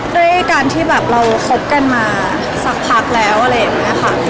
ด้วยการที่แบบเราคบกันมาสักพักแล้วอะไรอย่างนี้ค่ะ